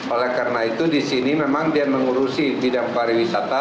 oleh karena itu di sini memang dia mengurusi bidang pariwisata